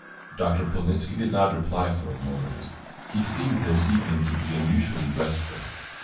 Dr. Polnitzski did not reply for a moment. He seemed this evening to be unusually restless.